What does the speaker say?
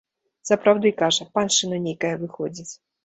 Сапраўды, кажа, паншчына нейкая выходзіць.